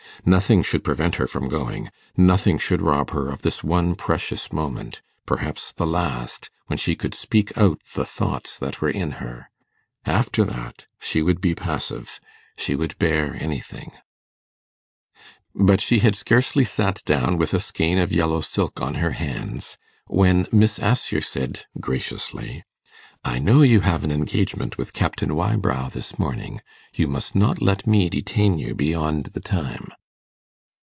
Nothing should prevent her from going; nothing should rob her of this one precious moment perhaps the last when she could speak out the thoughts that were in her. After that, she would be passive; she would bear anything. But she had scarcely sat down with a skein of yellow silk on her hands, when Miss Assher said, graciously, 'I know you have an engagement with Captain Wybrow this morning. You must not let me detain you beyond the time.